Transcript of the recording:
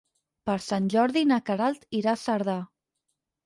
Per Sant Jordi na Queralt irà a Cerdà.